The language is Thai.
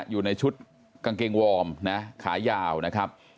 อยู่ในชุดกางเกงวอร์มนะขายาวนะครับ